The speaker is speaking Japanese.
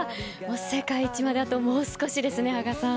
世界一までもう少しです。